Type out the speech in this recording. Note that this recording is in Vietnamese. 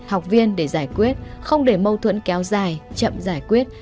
học viên để giải quyết không để mâu thuẫn kéo dài chậm giải quyết